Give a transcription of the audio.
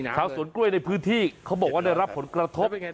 ชาวสวนกล้วยในพื้นที่เขาบอกว่าได้รับผลกระทบ